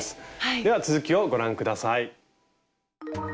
では続きをご覧下さい。